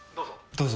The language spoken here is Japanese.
どうぞ。